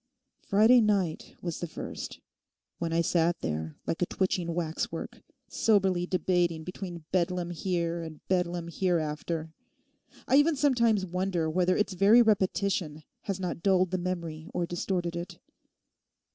Friday night was the first, when I sat there like a twitching waxwork, soberly debating between Bedlam here and Bedlam hereafter. I even sometimes wonder whether its very repetition has not dulled the memory or distorted it.